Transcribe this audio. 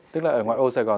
tức là ở ngoại ô sài gòn